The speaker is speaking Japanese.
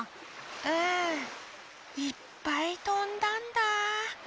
うんいっぱいとんだんだあ。